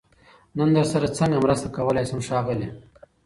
نن درسره سنګه مرسته کولای شم ښاغليه🤗